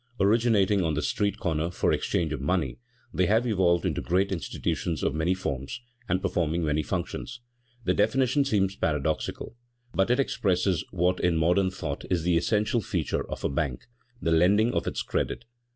Originating on the street corner for exchange of money, they have evolved into great institutions of many forms, and performing many functions. The definition seems paradoxical, but it expresses what in modern thought is the essential feature of a bank: the lending of its credit.